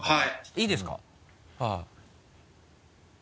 いいですか？